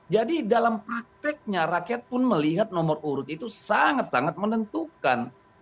jadi dalam prakteknya rakyat pun melihat nomor urut itu sangat sangat menentukan